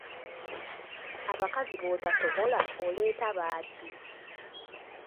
Abakazi b'otasobola oleeta baaki?